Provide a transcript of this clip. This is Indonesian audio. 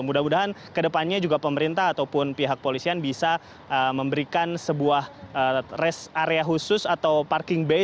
mudah mudahan kedepannya juga pemerintah ataupun pihak polisian bisa memberikan sebuah rest area khusus atau parking bay